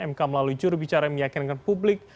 mk melalui jurubicara yang meyakinkan publik